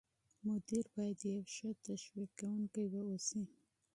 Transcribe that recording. مدیر باید یو ښه تشویق کوونکی واوسي.